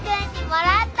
もらった。